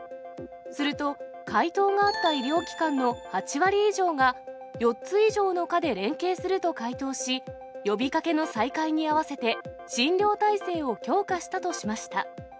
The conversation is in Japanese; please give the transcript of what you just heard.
すると、回答があった医療機関の８割以上が４つ以上の科で連携すると回答し、呼びかけの再開に合わせて診療体制を強化したとしました。